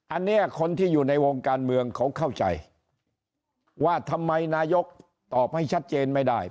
อันนี้คนที่อยู่ในวงการเมืองเขาเข้าใจว่าทำไมนายกตอบให้ชัดเจนไม่ได้